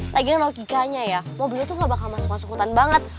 lagian logikanya ya mobilnya tuh gak bakal masuk masuk hutan banget